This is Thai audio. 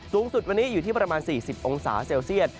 สูงสุดวันนี้อยู่ที่ประมาณ๔๐องศาเซลเซียต